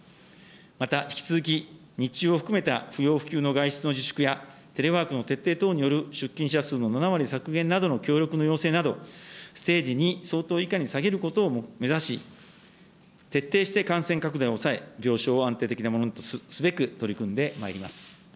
また引き続き、日中を含めた不要不急の外出の自粛や、テレワークの徹底等による出勤者数の７割削減などの協力の要請など、ステージ２相当以下に下げることを目指し、徹底して感染拡大を抑え、病床を安定的なものとすべく、取り組んでまいります。